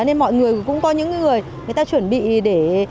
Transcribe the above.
nên mọi người cũng có những người người ta chuẩn bị để